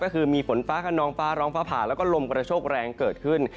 ก็คือมีฝนฟ้าขนองฟ้าร้องฟ้าผ่าแล้วก็ลมกระโชคแรงเกิดขึ้น